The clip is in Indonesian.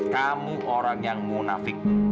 kamu orang yang munafik